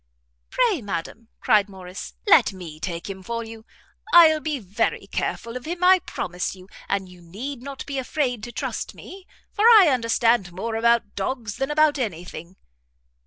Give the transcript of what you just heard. "Pray, ma'am," cried Morrice, "let me take him for you; I'll be very careful of him, I promise you; and you need not be afraid to trust me, for I understand more about dogs than about any thing."